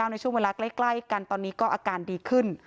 ในช่วงเวลาใกล้กันตอนนี้ก็อาการดีขึ้น